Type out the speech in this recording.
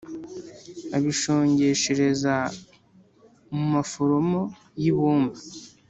Abishongeshereza mu maforomo y’ibumba